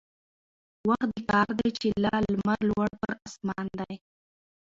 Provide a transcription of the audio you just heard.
وخت د كار دى چي لا لمر لوړ پر آسمان دى